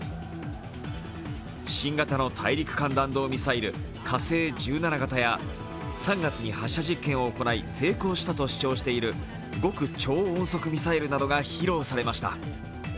新型の大陸間弾道ミサイル、火星１７型や３月に発射実験を行い成功したとしている極超音速ミサイルなどが披露されました。